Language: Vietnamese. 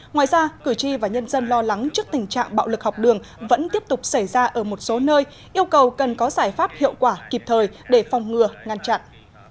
ngoài ra cử tri và nhân dân lo lắng trước tình trạng bạo lực học đường vẫn tiếp tục xảy ra ở một số nơi yêu cầu cần có giải pháp hiệu quả kịp thời để phòng ngừa ngăn chặn